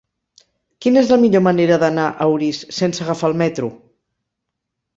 Quina és la millor manera d'anar a Orís sense agafar el metro?